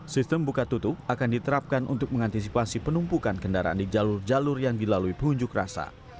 sistem buka tutup akan diterapkan untuk mengantisipasi penumpukan kendaraan di jalur jalur yang dilalui pengunjuk rasa